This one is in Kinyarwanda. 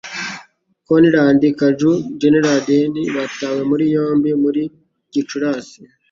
Konrad Kujau & Gerd Heidemann batawe muri yombi muri Gicurasi